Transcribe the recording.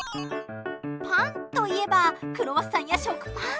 パンといえばクロワッサンや食パン。